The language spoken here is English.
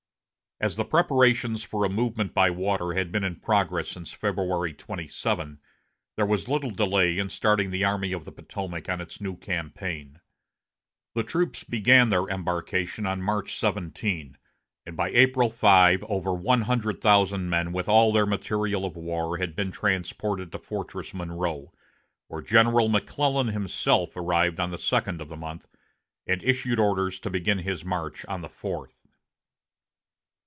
As the preparations for a movement by water had been in progress since February 27, there was little delay in starting the Army of the Potomac on its new campaign. The troops began their embarkation on March 17, and by April 5 over one hundred thousand men, with all their material of war, had been transported to Fortress Monroe, where General McClellan himself arrived on the second of the month, and issued orders to begin his march on the fourth.